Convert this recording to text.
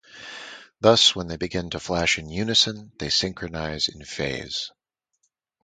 Thus, when they begin to flash in unison, they synchronize in phase.